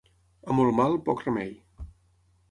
A molt mal, poc remei.